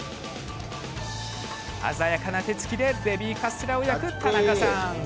鮮やかな手つきでベビーカステラを焼く田中さん。